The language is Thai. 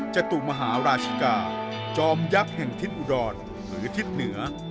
จตุมหาราชิกาจอมยักษ์แห่งทิศอุดรหรือทิศเหนือ